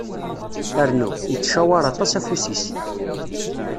Rnu, yettcawar aṭas afus-is.